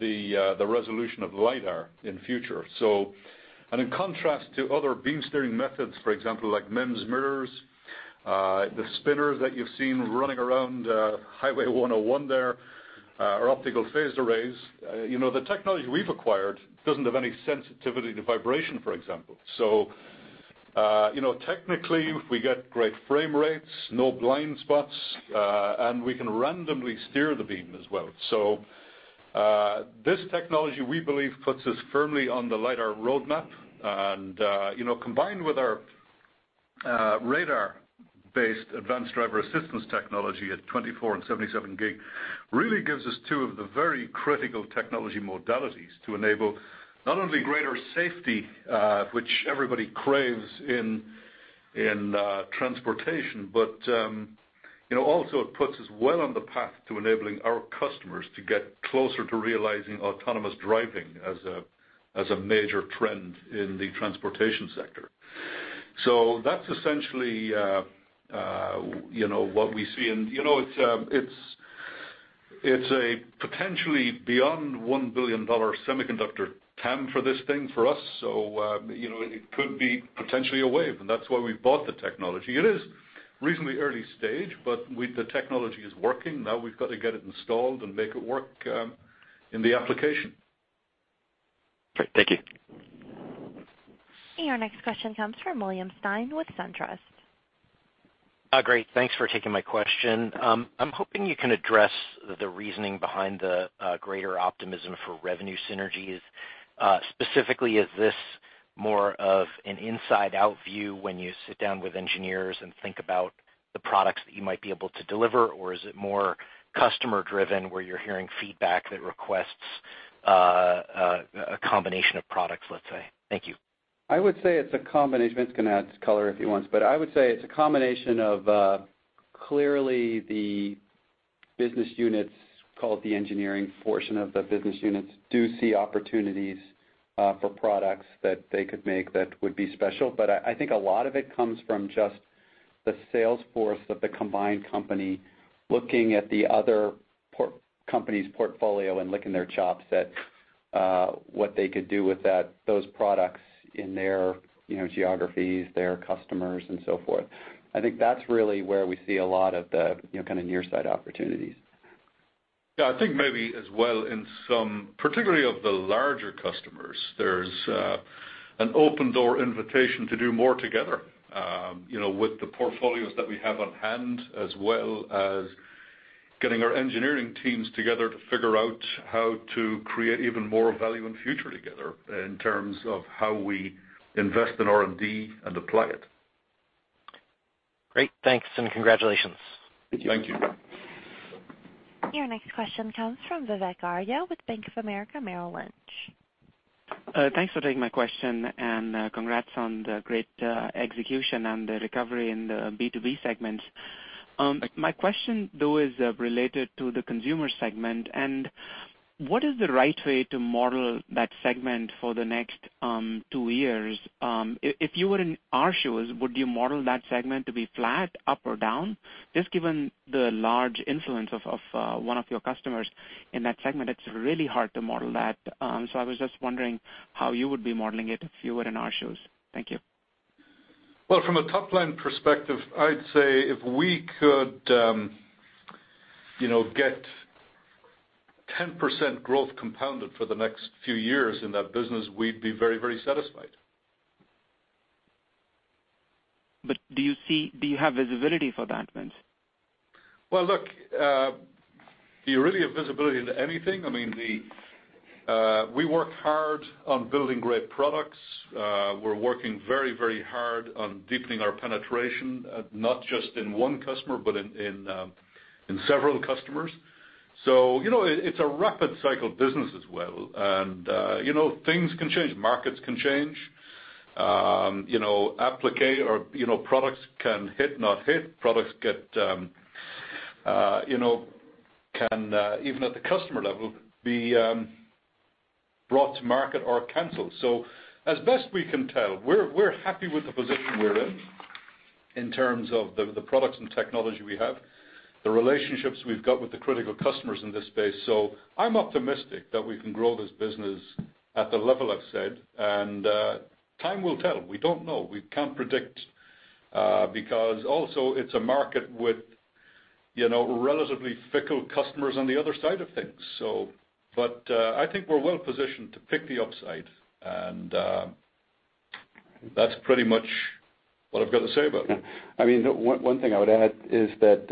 the resolution of LIDAR in future. In contrast to other beam steering methods, for example, like MEMS mirrors, the spinners that you've seen running around Highway 101 there, or optical phased arrays. The technology we've acquired doesn't have any sensitivity to vibration, for example. Technically, we get great frame rates, no blind spots, and we can randomly steer the beam as well. This technology, we believe, puts us firmly on the LIDAR roadmap. Combined with our radar-based advanced driver assistance technology at 24 and 77 gig, really gives us two of the very critical technology modalities to enable not only greater safety, which everybody craves in transportation, but also it puts us well on the path to enabling our customers to get closer to realizing autonomous driving as a major trend in the transportation sector. That's essentially what we see. It's a potentially beyond $1 billion semiconductor TAM for this thing for us, so it could be potentially a wave, and that's why we bought the technology. It is reasonably early stage, but the technology is working. Now we've got to get it installed and make it work in the application. Great. Thank you. Your next question comes from William Stein with SunTrust. Great. Thanks for taking my question. I'm hoping you can address the reasoning behind the greater optimism for revenue synergies. Specifically, is this more of an inside-out view when you sit down with engineers and think about the products that you might be able to deliver? Or is it more customer-driven where you're hearing feedback that requests a combination of products, let's say? Thank you. I would say it's a combination. Vince can add color if he wants, I would say it's a combination of clearly the business units, call it the engineering portion of the business units, do see opportunities for products that they could make that would be special. I think a lot of it comes from just the sales force of the combined company looking at the other company's portfolio and licking their chops at what they could do with those products in their geographies, their customers, and so forth. I think that's really where we see a lot of the near-side opportunities. I think maybe as well in some, particularly of the larger customers, there's an open-door invitation to do more together with the portfolios that we have on hand, as well as getting our engineering teams together to figure out how to create even more value and future together in terms of how we invest in R&D and apply it. Great. Thanks, and congratulations. Thank you. Your next question comes from Vivek Arya with Bank of America Merrill Lynch. Thanks for taking my question. Congrats on the great execution and the recovery in the B2B segment. My question, though, is related to the consumer segment and what is the right way to model that segment for the next two years? If you were in our shoes, would you model that segment to be flat, up, or down? Just given the large influence of one of your customers in that segment, it's really hard to model that. I was just wondering how you would be modeling it if you were in our shoes. Thank you. Well, from a top-line perspective, I'd say if we could get 10% growth compounded for the next few years in that business, we'd be very, very satisfied. Do you have visibility for that, Vince? Well, look, do you really have visibility into anything? We work hard on building great products. We're working very, very hard on deepening our penetration, not just in one customer but in several customers. It's a rapid cycle business as well. Things can change, markets can change. Products can hit, not hit. Products can, even at the customer level, be brought to market or canceled. As best we can tell, we're happy with the position we're in terms of the products and technology we have, the relationships we've got with the critical customers in this space. I'm optimistic that we can grow this business at the level I've said, and time will tell. We don't know. We can't predict, because also it's a market with relatively fickle customers on the other side of things. I think we're well positioned to pick the upside, and that's pretty much what I've got to say about that. One thing I would add is that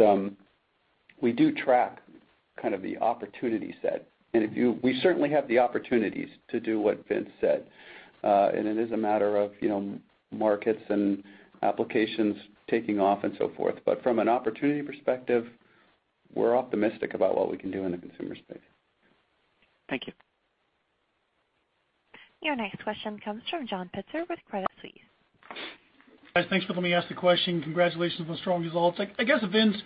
we do track kind of the opportunity set, and we certainly have the opportunities to do what Vince said. It is a matter of markets and applications taking off and so forth. From an opportunity perspective, we're optimistic about what we can do in the consumer space. Thank you. Your next question comes from John Pitzer with Credit Suisse. Guys, thanks for letting me ask the question. Congratulations on the strong results. I guess, Vince,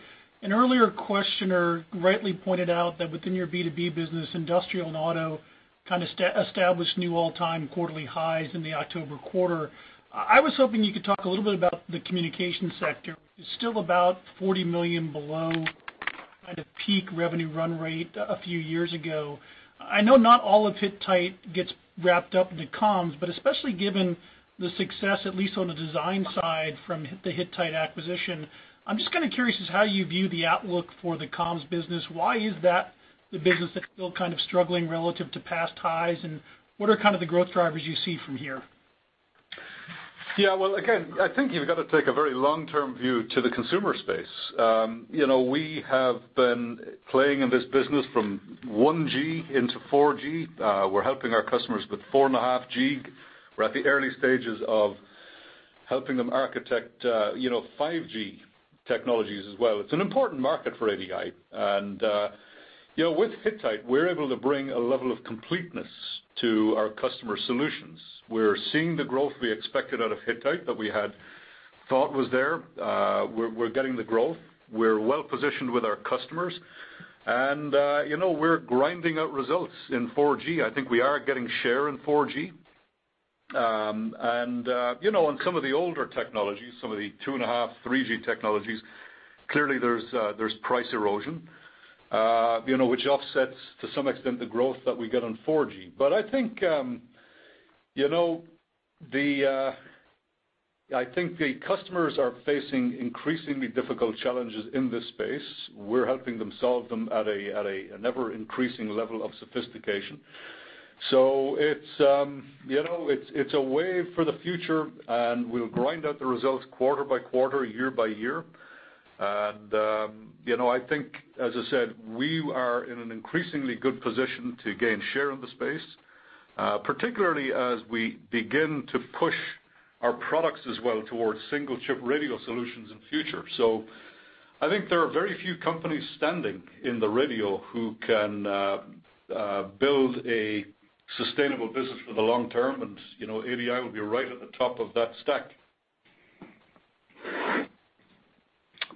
an earlier questioner rightly pointed out that within your B2B business, industrial and auto kind of established new all-time quarterly highs in the October quarter. I was hoping you could talk a little bit about the communication sector. It's still about $40 million below kind of peak revenue run rate a few years ago. I know not all of Hittite gets wrapped up into comms, but especially given the success, at least on the design side, from the Hittite acquisition, I'm just kind of curious as to how you view the outlook for the comms business. Why is that the business that's still kind of struggling relative to past highs, and what are kind of the growth drivers you see from here? Yeah. Well, again, I think you've got to take a very long-term view to the consumer space. We have been playing in this business from 1G into 4G. We're helping our customers with 4.5G. We're at the early stages of helping them architect 5G technologies as well. It's an important market for ADI, and with Hittite, we're able to bring a level of completeness to our customer solutions. We're seeing the growth we expected out of Hittite that we had thought was there. We're getting the growth. We're well-positioned with our customers, and we're grinding out results in 4G. I think we are getting share in 4G. On some of the older technologies, some of the 2.5G, 3G technologies, clearly there's price erosion which offsets to some extent the growth that we get on 4G. I think the customers are facing increasingly difficult challenges in this space. We're helping them solve them at an ever-increasing level of sophistication. It's a way for the future, and we'll grind out the results quarter by quarter, year by year. I think, as I said, we are in an increasingly good position to gain share in the space, particularly as we begin to push our products as well towards single-chip radio solutions in the future. I think there are very few companies standing in the radio who can build a sustainable business for the long term, and ADI will be right at the top of that stack.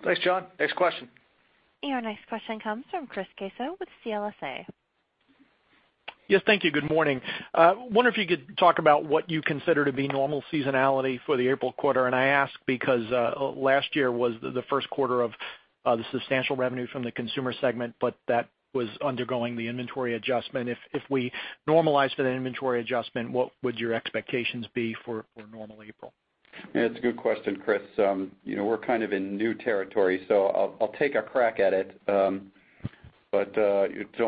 Thanks, John. Next question. Your next question comes from Chris Caso with CLSA. Yes, thank you. Good morning. I wonder if you could talk about what you consider to be normal seasonality for the April quarter. I ask because last year was the first quarter of the substantial revenue from the consumer segment, but that was undergoing the inventory adjustment. If we normalize for the inventory adjustment, what would your expectations be for a normal April? It's a good question, Chris. We're kind of in new territory. I'll take a crack at it. Don't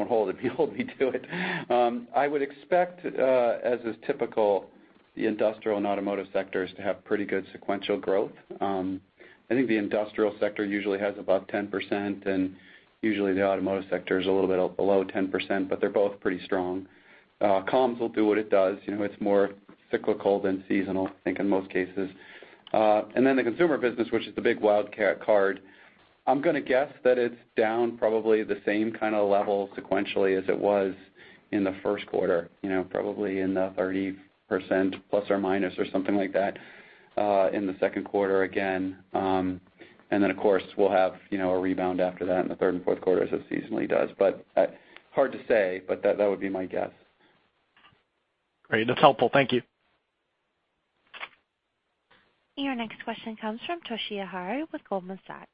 hold me to it. I would expect, as is typical, the industrial and automotive sectors to have pretty good sequential growth. I think the industrial sector usually has about 10%, and usually the automotive sector is a little bit below 10%, but they're both pretty strong. Comms will do what it does. It's more cyclical than seasonal, I think, in most cases. The consumer business, which is the big wild card, I'm going to guess that it's down probably the same kind of level sequentially as it was in the first quarter, probably in the 30% ± or something like that in the second quarter again. Of course, we'll have a rebound after that in the third and fourth quarters, as it seasonally does. Hard to say, but that would be my guess. Great. That's helpful. Thank you. Your next question comes from Toshiya Hari with Goldman Sachs.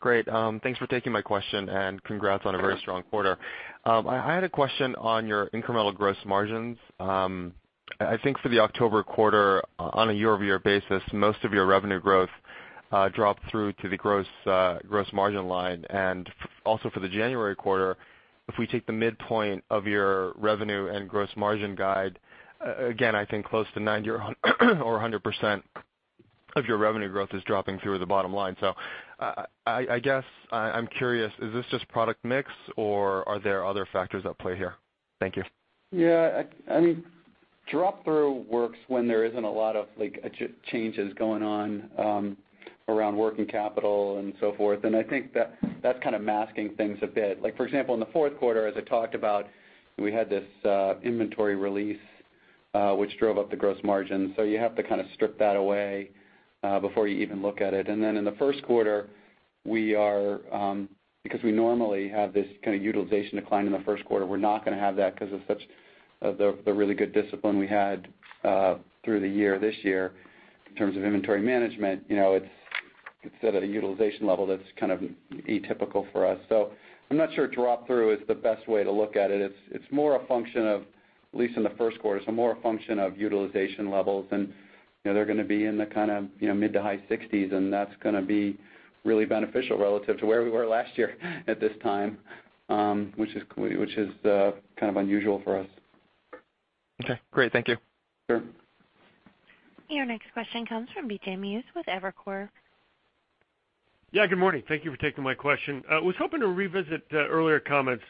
Great. Thanks for taking my question. Congrats on a very strong quarter. I had a question on your incremental gross margins. I think for the October quarter, on a year-over-year basis, most of your revenue growth dropped through to the gross margin line. Also for the January quarter, if we take the midpoint of your revenue and gross margin guide, again, I think close to 90% or 100% of your revenue growth is dropping through the bottom line. I guess I'm curious, is this just product mix, or are there other factors at play here? Thank you. Yeah. Drop-through works when there isn't a lot of changes going on around working capital and so forth. I think that's kind of masking things a bit. For example, in the fourth quarter, as I talked about, we had this inventory release, which drove up the gross margin. You have to kind of strip that away before you even look at it. Then in the first quarter, because we normally have this kind of utilization decline in the first quarter, we're not going to have that because of the really good discipline we had through the year this year in terms of inventory management. It's set at a utilization level that's kind of atypical for us. I'm not sure drop-through is the best way to look at it. At least in the first quarter, it's more a function of utilization levels, and they're going to be in the mid to high 60s. That's going to be really beneficial relative to where we were last year at this time, which is kind of unusual for us. Okay, great. Thank you. Sure. Your next question comes from C.J. Muse with Evercore. Yeah, good morning. Thank you for taking my question. I was hoping to revisit earlier comments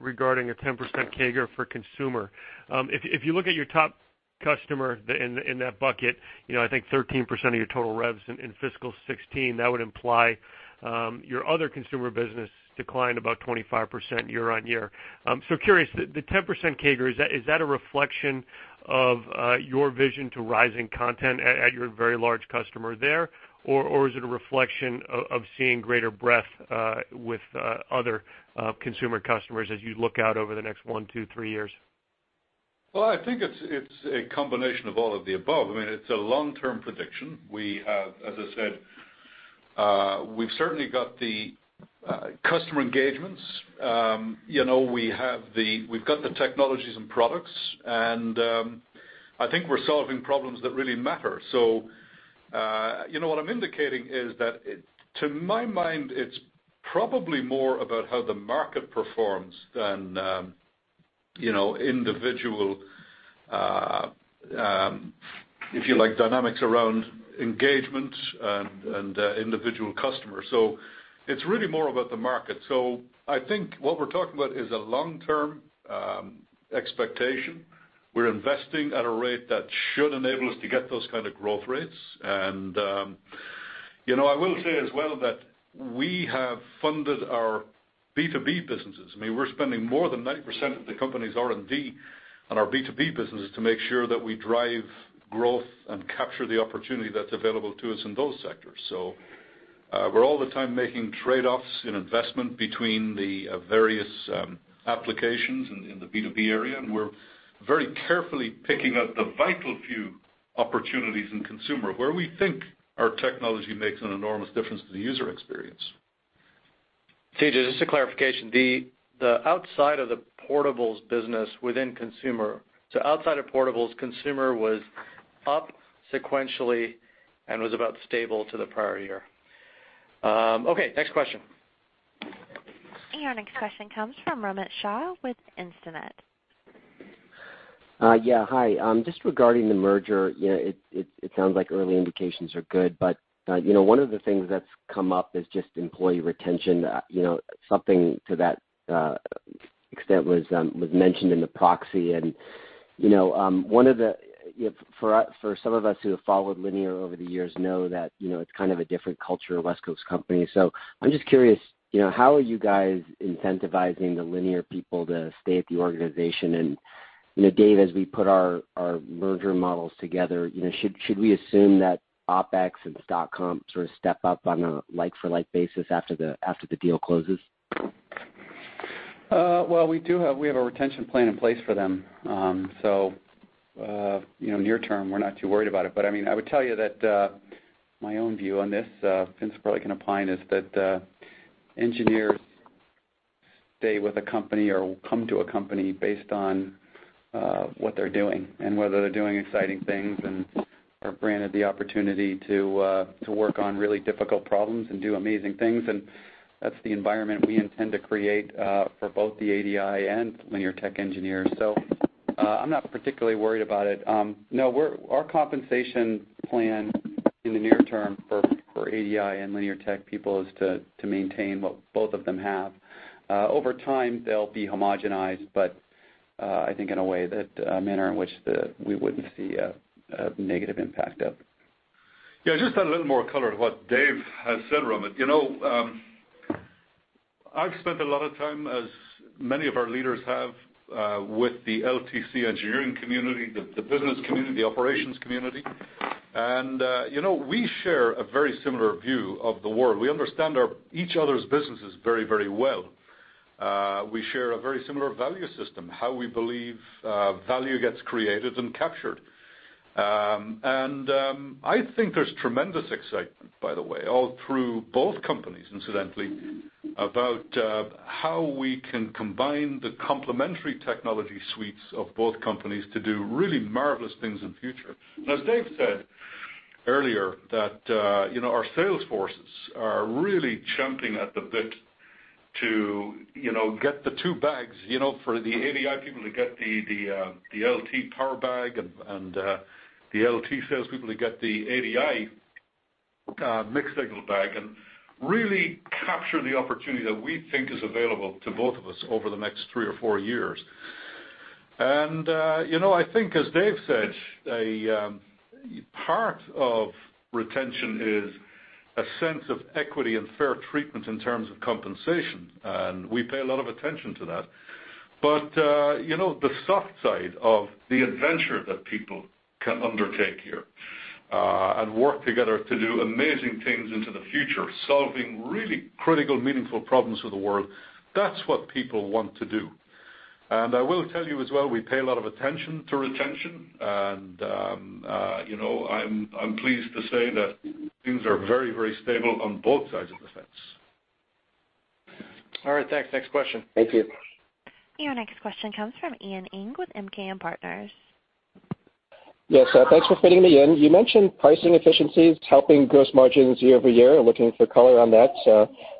regarding a 10% CAGR for consumer. If you look at your top customer in that bucket, I think 13% of your total revs in fiscal 2016, that would imply your other consumer business declined about 25% year-over-year. Curious, the 10% CAGR, is that a reflection of your vision to rising content at your very large customer there? Or is it a reflection of seeing greater breadth with other consumer customers as you look out over the next one to three years? Well, I think it's a combination of all of the above. It's a long-term prediction. As I said, we've certainly got the customer engagements. We've got the technologies and products, and I think we're solving problems that really matter. What I'm indicating is that to my mind, it's probably more about how the market performs than individual, if you like, dynamics around engagement and individual customers. It's really more about the market. I think what we're talking about is a long-term expectation. We're investing at a rate that should enable us to get those kind of growth rates. I will say as well that we have funded our B2B businesses. We're spending more than 90% of the company's R&D on our B2B businesses to make sure that we drive growth and capture the opportunity that's available to us in those sectors. We're all the time making trade-offs in investment between the various applications in the B2B area, we're very carefully picking out the vital few opportunities in consumer, where we think our technology makes an enormous difference to the user experience. CJ, just a clarification. The outside of the portables business within consumer, so outside of portables, consumer was up sequentially and was about stable to the prior year. Okay, next question. Your next question comes from Romit Shah with Instinet. Yeah. Hi. Just regarding the merger, it sounds like early indications are good. One of the things that's come up is just employee retention. Something to that extent was mentioned in the proxy. For some of us who have followed Linear over the years know that it's kind of a different culture, a West Coast company. I'm just curious, how are you guys incentivizing the Linear people to stay at the organization? Dave, as we put our merger models together, should we assume that OpEx and stock comp sort of step up on a like for like basis after the deal closes? Well, we have a retention plan in place for them. Near term, we're not too worried about it. I would tell you that my own view on this, Vince probably can opine, is that engineers stay with a company or will come to a company based on what they're doing, and whether they're doing exciting things and are granted the opportunity to work on really difficult problems and do amazing things. That's the environment we intend to create for both the ADI and Linear Tech engineers. I'm not particularly worried about it. No, our compensation plan in the near term for ADI and Linear Tech people is to maintain what both of them have. Over time, they'll be homogenized, but I think in a manner in which we wouldn't see a negative impact of. Yeah, just to add a little more color to what Dave has said, Romit. I've spent a lot of time, as many of our leaders have, with the LTC engineering community, the business community, the operations community. We share a very similar view of the world. We understand each other's businesses very well. We share a very similar value system, how we believe value gets created and captured. I think there's tremendous excitement, by the way, all through both companies, incidentally, about how we can combine the complementary technology suites of both companies to do really marvelous things in future. As Dave said earlier, that our sales forces are really champing at the bit to get the two bags. For the ADI people to get the LT power bag and the LT sales people to get the ADI mixed signal bag, really capture the opportunity that we think is available to both of us over the next three or four years. I think, as Dave said, a part of retention is a sense of equity and fair treatment in terms of compensation, and we pay a lot of attention to that. The soft side of the adventure that people can undertake here, and work together to do amazing things into the future, solving really critical, meaningful problems for the world. That's what people want to do. I will tell you as well, we pay a lot of attention to retention, and I'm pleased to say that things are very stable on both sides of the fence. All right. Thanks. Next question. Thank you. Your next question comes from Ian Ing with MKM Partners. Yes. Thanks for fitting me in. You mentioned pricing efficiencies helping gross margins year-over-year. I'm looking for color on that.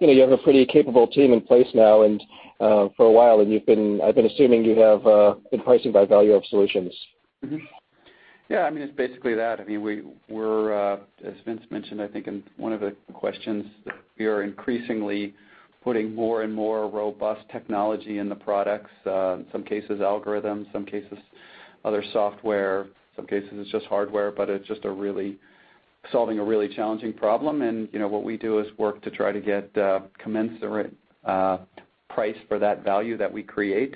You have a pretty capable team in place now, and for a while, I've been assuming you have been pricing by value of solutions. Yeah, it's basically that. As Vince mentioned, I think in one of the questions, that we are increasingly putting more and more robust technology in the products. In some cases, algorithms, some cases other software. Some cases it's just hardware, but it's just solving a really challenging problem. What we do is work to try to get commensurate price for that value that we create.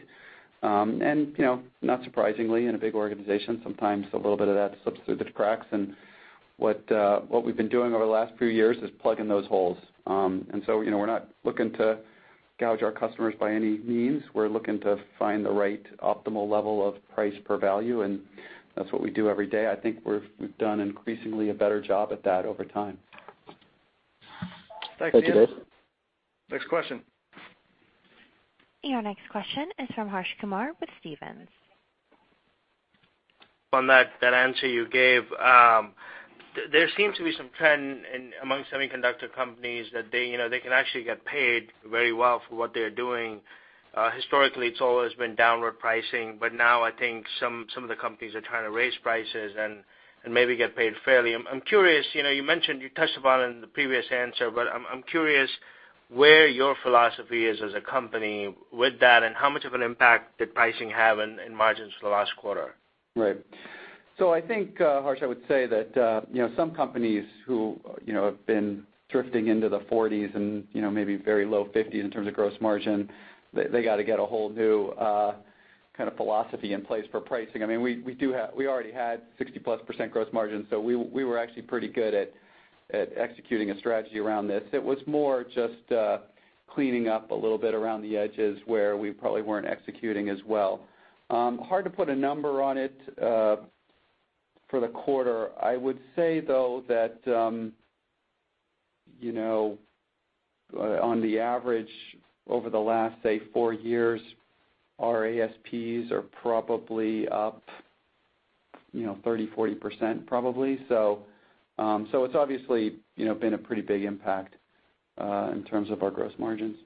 Not surprisingly, in a big organization, sometimes a little bit of that slips through the cracks, and what we've been doing over the last few years is plugging those holes. We're not looking to gouge our customers by any means. We're looking to find the right optimal level of price per value, and that's what we do every day. I think we've done increasingly a better job at that over time. Thanks, Ian. Thank you, Dave. Next question. Your next question is from Harsh Kumar with Stephens. On that answer you gave, there seems to be some trend amongst semiconductor companies that they can actually get paid very well for what they're doing. Historically, it's always been downward pricing, but now I think some of the companies are trying to raise prices and maybe get paid fairly. You touched upon it in the previous answer, but I'm curious where your philosophy is as a company with that, and how much of an impact did pricing have in margins for the last quarter? Right. I think, Harsh, I would say that some companies who have been drifting into the 40s and maybe very low 50s in terms of gross margin, they got to get a whole new kind of philosophy in place for pricing. We already had 60-plus % gross margin, so we were actually pretty good at executing a strategy around this. It was more just cleaning up a little bit around the edges where we probably weren't executing as well. Hard to put a number on it for the quarter. I would say, though, that on the average over the last, say, four years, our ASPs are probably up 30%, 40%, probably. It's obviously been a pretty big impact in terms of our gross margins.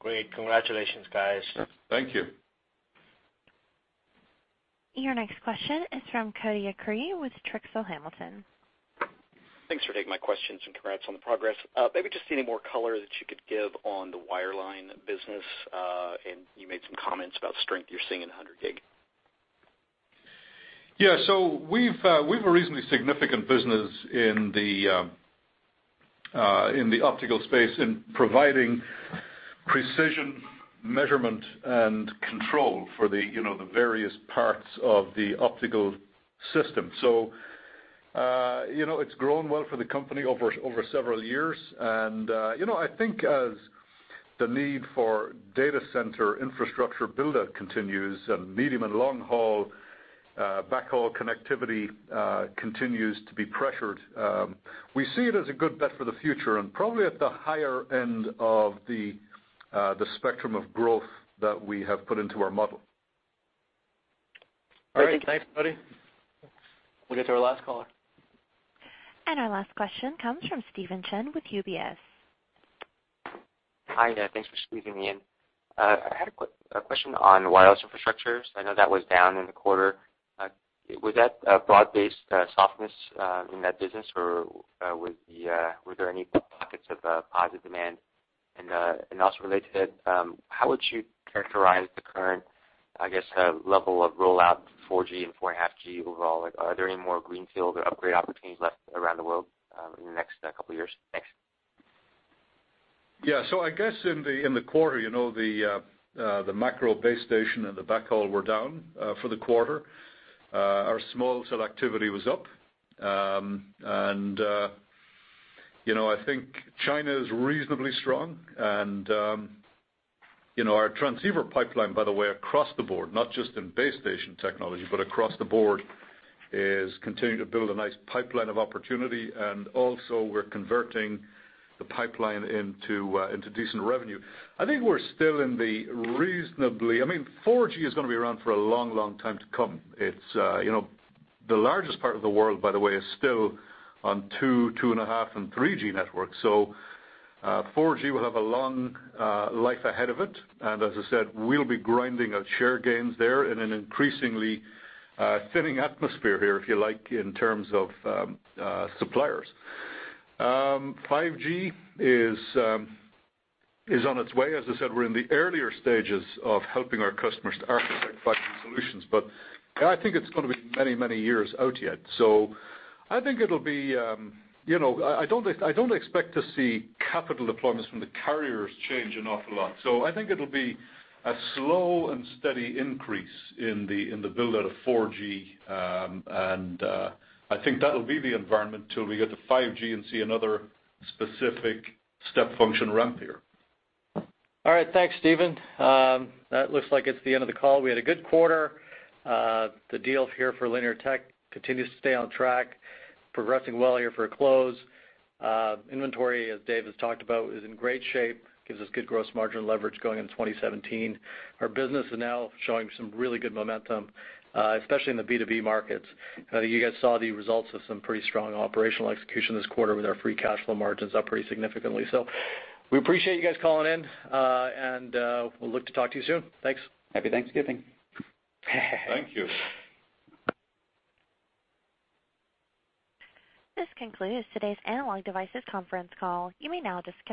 Great. Congratulations, guys. Thank you. Your next question is from Cody Acree with Drexel Hamilton. Thanks for taking my questions. Congrats on the progress. Maybe just any more color that you could give on the wireline business. You made some comments about strength you're seeing in 100G. We've a reasonably significant business in the optical space in providing precision measurement and control for the various parts of the optical system. It's grown well for the company over several years. I think as the need for data center infrastructure buildup continues, medium and long-haul backhaul connectivity continues to be pressured. We see it as a good bet for the future and probably at the higher end of the spectrum of growth that we have put into our model. Thanks, buddy. We'll get to our last caller. Our last question comes from Steven Chen with UBS. Hi there. Thanks for squeezing me in. I had a quick question on wireless infrastructures. I know that was down in the quarter. Was that a broad-based softness in that business, or were there any pockets of positive demand? Also related to that, how would you characterize the current, I guess, level of rollout, 4G and 4.5G overall? Are there any more greenfield or upgrade opportunities left around the world in the next couple of years? Thanks. I guess in the quarter, the macro base station and the backhaul were down for the quarter. Our small cell activity was up. I think China is reasonably strong. Our transceiver pipeline, by the way, across the board, not just in base station technology, but across the board, is continuing to build a nice pipeline of opportunity. Also we're converting the pipeline into decent revenue. I think we're still in the reasonably. I mean, 4G is going to be around for a long time to come. The largest part of the world, by the way, is still on 2.5G, and 3G networks. 4G will have a long life ahead of it. As I said, we'll be grinding out share gains there in an increasingly thinning atmosphere here, if you like, in terms of suppliers. 5G is on its way. As I said, we're in the earlier stages of helping our customers to architect 5G solutions. I think it's going to be many years out yet. I don't expect to see capital deployments from the carriers change an awful lot. I think it'll be a slow and steady increase in the build-out of 4G. I think that'll be the environment till we get to 5G and see another specific step function ramp here. Thanks, Steven. That looks like it's the end of the call. We had a good quarter. The deal here for Linear Tech continues to stay on track, progressing well here for a close. Inventory, as Dave has talked about, is in great shape, gives us good gross margin leverage going into 2017. Our business is now showing some really good momentum, especially in the B2B markets. You guys saw the results of some pretty strong operational execution this quarter with our free cash flow margins up pretty significantly. We appreciate you guys calling in, and we'll look to talk to you soon. Thanks. Happy Thanksgiving. Thank you. This concludes today's Analog Devices conference call. You may now disconnect.